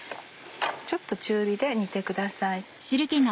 ちょっと中火で煮てください。